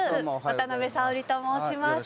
渡辺早織と申します。